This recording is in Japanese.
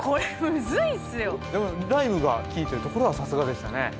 でもライムが効いているところはさすがでしたね。